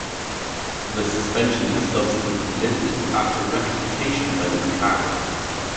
The suspension was subsequently lifted after rectification by Macau.